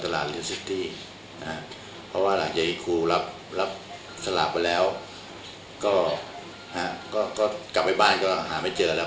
แล้วสลับไปแล้วก็กลับไปบ้านก็หาไม่เจอแล้ว